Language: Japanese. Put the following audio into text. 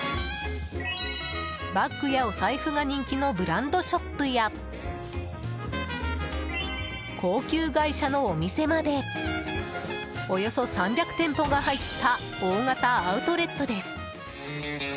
バッグやお財布が人気のブランドショップや高級外車のお店までおよそ３００店舗が入った大型アウトレットです。